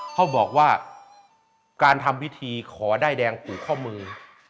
เขาบอกว่าการทำพิธีขอด้ายแดงผูกข้อมือ